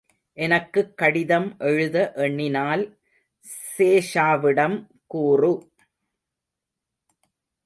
எனக்குக் கடிதம் எழுத எண்ணினால் சேஷாவிடம் கூறு.